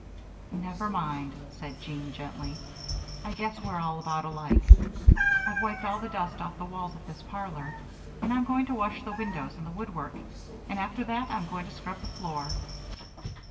"Never mind," said Jean, gently. "I guess we're all about alike. I've wiped all the dust off the walls of this parlor. Now I'm going to wash the windows and the woodwork, and after that I'm going to scrub the floor."